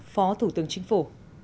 phó thủ tướng chính phủ